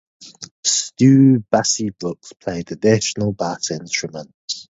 Stu "Bassie" Brooks played additional bass instruments.